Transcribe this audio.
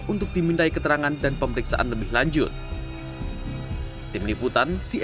untuk dimintai keterangan dan pemeriksaan lebih lanjut